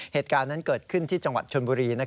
เหตุการณ์นั้นเกิดขึ้นที่จังหวัดชนบุรี